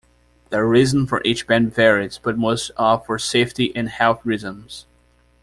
The reason for each ban varies, but most are for safety and health reasons.